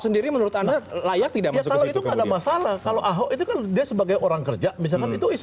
saya tidak masuk ke situ kalau masalah kalau aku itu kan dia sebagai orang kerja misalnya itu is